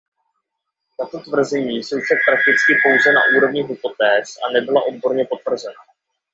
Tato tvrzení jsou však prakticky pouze na úrovni hypotéz a nebyla odborně potvrzena.